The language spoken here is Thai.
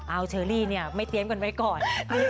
เอาเชอรี่เนี่ยไม่เตรียมกันไว้ก่อน